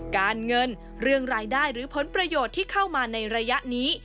การเงินเรื่องรายได้หรือผลประโยชน์ที่เข้ามาในระยะนี้